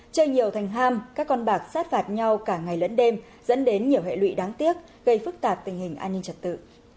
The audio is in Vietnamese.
chơi nhiều thành ham các con bạc sát phạt nhau cả ngày lẫn đêm dẫn đến nhiều hệ lụy đáng tiếc gây phức tạp tình hình an ninh trật tự